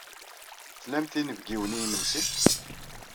Tlamt inebgiwen i yimensi?